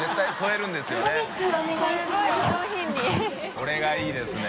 これがいいですね。